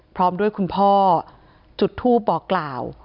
พร้อมด้วยคุณพ่อจุดทูปบอกกล่าว